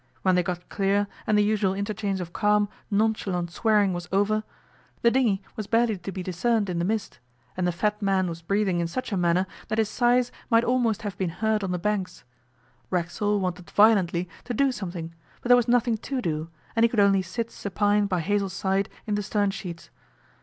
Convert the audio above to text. When they got clear, and the usual interchange of calm, nonchalant swearing was over, the dinghy was barely to be discerned in the mist, and the fat man was breathing in such a manner that his sighs might almost have been heard on the banks. Racksole wanted violently to do something, but there was nothing to do; he could only sit supine by Hazell's side in the stern sheets.